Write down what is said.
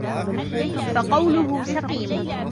فَقَوْلُهُ سَقِيمٌ